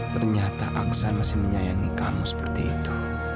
ternyata aksan masih menyayangi kamu seperti itu